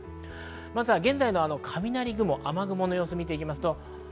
現在の雷雲・雨雲の様子を見ていきます。